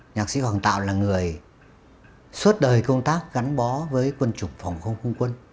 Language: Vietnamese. nhạc sĩ hoàng tạo là người suốt đời công tác gắn bó với quân chủng phòng không không quân